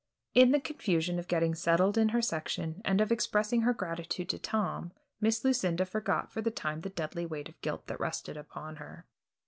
In the confusion of getting settled in her section, and of expressing her gratitude to Tom, Miss Lucinda forgot for the time the deadly weight of guilt that rested upon her.